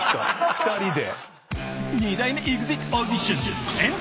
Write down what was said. ２人で。